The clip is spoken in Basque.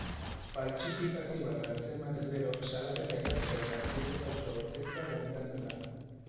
Faltsifikazio bat atzemanez gero, salaketa jartzea eta billete faltsua aurkeztea gomendatzen da.